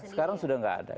sekarang sudah nggak ada